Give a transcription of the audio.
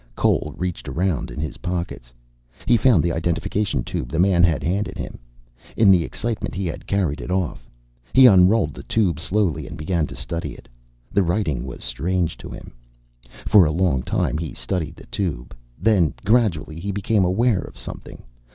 Cole reached around in his pockets. He found the identification tube the man had handed him. In the excitement he had carried it off. He unrolled the tube slowly and began to study it. The writing was strange to him. For a long time he studied the tube. Then, gradually, he became aware of something.